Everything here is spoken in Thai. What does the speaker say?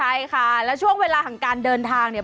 ใช่ค่ะแล้วช่วงเวลาของการเดินทางเนี่ย